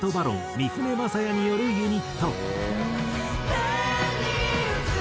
三船雅也によるユニット。